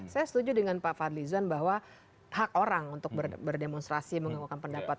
saya setuju dengan pak fadli zwan bahwa hak orang untuk berdemonstrasi menganggap pendapat